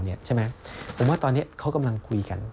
ผมว่าตอนนี้เขากำลังคุยกัน